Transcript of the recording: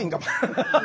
アハハハ。